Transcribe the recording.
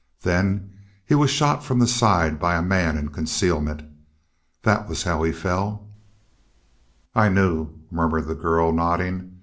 Then he was shot from the side by a man in concealment. That was how he fell!" "I knew," murmured the girl, nodding.